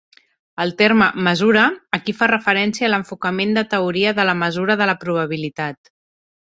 El terme "mesura" aquí fa referència a l'enfocament de teoria de la mesura de la probabilitat.